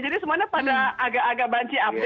jadi semuanya pada agak agak banci update